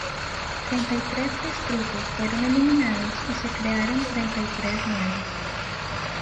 Treinta y tres distritos fueron eliminados y se crearon treinta y tres nuevos.